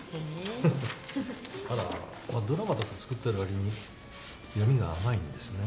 ドラマとか作ってる割に読みが甘いんですね。